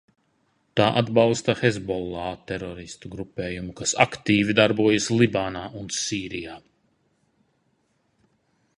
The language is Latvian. Tā atbalsta Hezbollah teroristu grupējumu, kas aktīvi darbojas Libānā un Sīrijā.